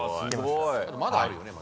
まだあるよね。